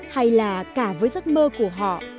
hay là cả với giấc mơ của họ